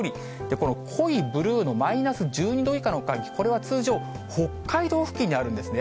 この濃いブルーのマイナス１２度以下の寒気、これは通常、北海道付近にあるんですね。